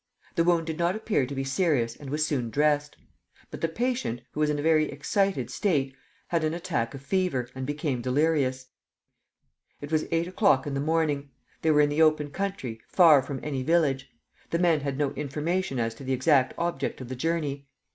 The wound did not appear to be serious and was soon dressed. But the patient, who was in a very excited state, had an attack of fever and became delirious. It was eight o'clock in the morning. They were in the open country, far from any village. The men had no information as to the exact object of the journey.